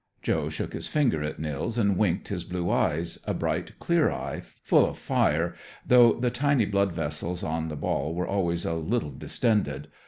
Joe shook his finger at Nils and winked his blue eyes, a bright clear eye, full of fire, though the tiny blood vessels on the ball were always a little distended.